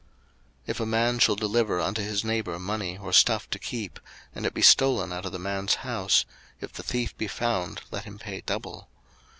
02:022:007 If a man shall deliver unto his neighbour money or stuff to keep, and it be stolen out of the man's house; if the thief be found, let him pay double.